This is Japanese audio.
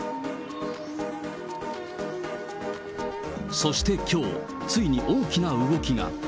そしてきょう、ついに大きな動きが。